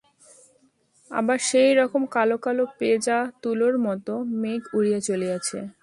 আবার সেই রকম কালো কালো পেঁজা তুলোর মতো মেঘ উড়িয়া চলিয়াছে।